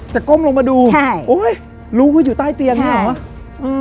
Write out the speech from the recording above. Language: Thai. จะก้มลงมาดูโอ้ยรู้ว่าอยู่ใต้เตียงเนี่ยเหรอ